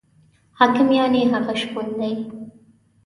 حاکم یعنې هغه شپون دی.